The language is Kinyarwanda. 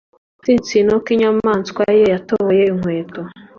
agatsinsino k'inyamaswa ye yatoboye inkweto